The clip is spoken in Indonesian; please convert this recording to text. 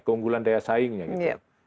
keunggulan daya saingnya gitu